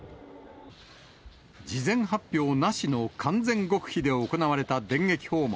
事前発表なしの完全極秘で行われた電撃訪問。